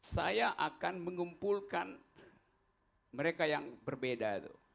saya akan mengumpulkan mereka yang berbeda